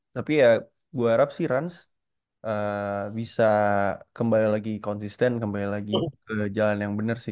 tapi ya gue harap sih rans bisa kembali lagi konsisten kembali lagi ke jalan yang benar sih